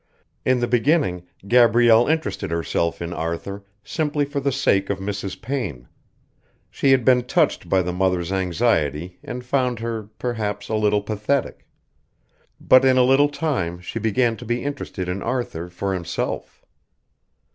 In the beginning Gabrielle interested herself in Arthur simply for the sake of Mrs. Payne; she had been touched by the mother's anxiety and found her, perhaps, a little pathetic; but in a little time she began to be interested in Arthur for himself.